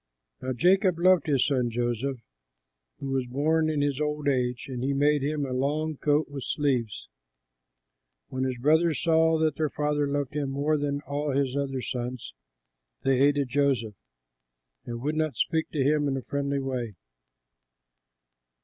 Now Jacob loved his son Joseph, who was born in his old age; and he made him a long coat with sleeves. When his brothers saw that their father loved him more than all his other sons, they hated Joseph and would not speak to him in a friendly way.